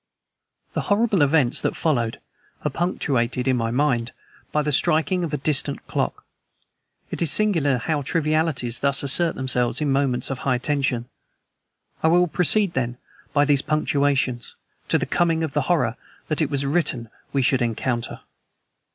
The horrible events that followed are punctuated, in my mind, by the striking of a distant clock. It is singular how trivialities thus assert themselves in moments of high tension. I will proceed, then, by these punctuations, to the coming of the horror that it was written we should encounter.